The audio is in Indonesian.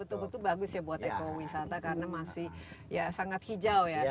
betul betul bagus ya buat ekowisata karena masih ya sangat hijau ya